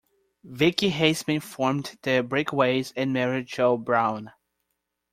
Vicky Haseman formed the Breakaways, and married Joe Brown.